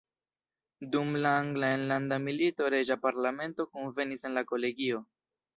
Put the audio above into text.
Dum la Angla enlanda milito reĝa parlamento kunvenis en la kolegio.